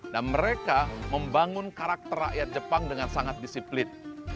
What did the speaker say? dan mereka membangun karakter rakyat jepang dengan sangat disiplin